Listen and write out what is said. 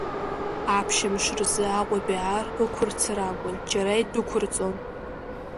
Аԥшьымш рзы Аҟәатәи ар ықәҵыр акәын, џьара идәықәырҵон.